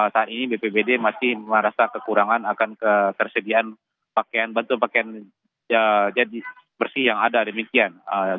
saat ini bpbd masih merasa kekurangan akan ketersediaan pakaian batu pakaian jadi bersih yang ada demikian